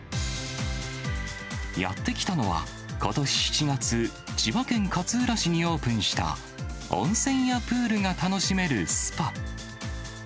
やって来たのは、ことし７月、千葉県勝浦市にオープンした、温泉やプールが楽しめるスパ。